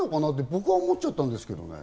僕は思っちゃったんですけどね。